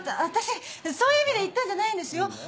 私そういう意味で言ったんじゃないんですよ。